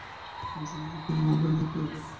বৈষম্যের শিকার হবে না কেউ।